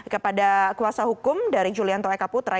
kepada kuasa hukum dari julianto eka putra